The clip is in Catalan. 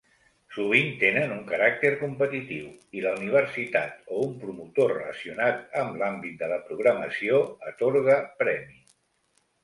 Sovint tenen un caràcter competitiu i la universitat o un promotor relacionat amb l'àmbit de la programació atorga premi.